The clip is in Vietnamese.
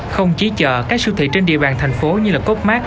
không chỉ chợ các sưu thị trên địa bàn thành phố như côc mát